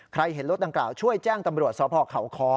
เห็นรถดังกล่าวช่วยแจ้งตำรวจสพเขาค้อ